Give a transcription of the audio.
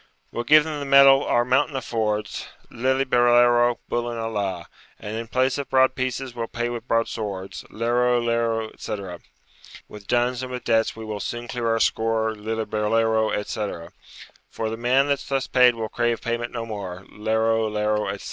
'We'll give them the metal our mountain affords, Lillibulero, bullen a la, And in place of broad pieces, we'll pay with broadswords, Lero, lero, etc. With duns and with debts we will soon clear our score, Lillibulero, etc. For the man that's thus paid will crave payment no more, Lero, lero, etc.